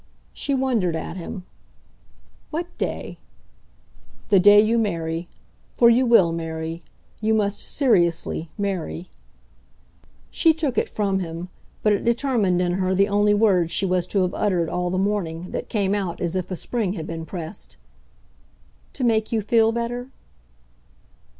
She wondered at him. "What day?" "The day you marry. For you WILL marry. You must SERIOUSLY marry." She took it from him, but it determined in her the only words she was to have uttered, all the morning, that came out as if a spring had been pressed. "To make you feel better?"